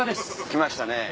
きましたね。